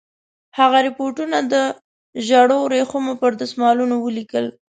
هغه رپوټونه د ژړو ورېښمو پر دسمالونو ولیکل.